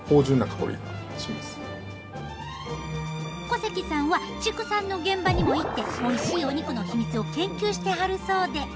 小関さんは畜産の現場にも行っておいしいお肉の秘密を研究してはるそうで。